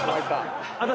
私？